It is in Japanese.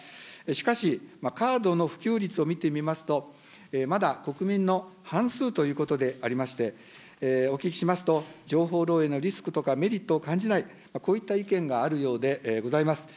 しかし、カードの普及率を見てみますと、まだ国民の半数ということでありまして、お聞きしますと、情報漏えいのリスクとか、メリットを感じない、こういった意見があるようでございます。